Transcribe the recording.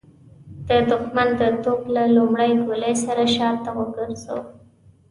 د د ښمن د توپ له لومړۍ ګولۍ سره شاته ګرځو.